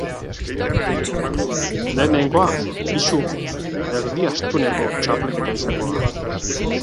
Lehenengoa, pisu erdiastuneko txapelketa izango da.